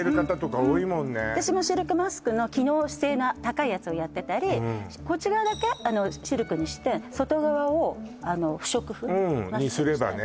私もシルクマスクの機能性が高いやつをやってたりこっち側だけシルクにして外側を不織布マスクにしたりうんにすればね